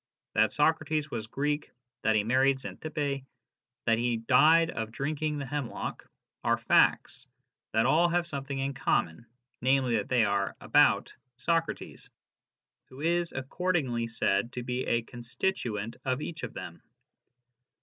That Socrates was Greek, that he married Xantippe, that he died of drinking the hemlock, are facts that all have something in common, namely, that they are " about " Socrates, who is accordingly said to be a con stituent of each of them.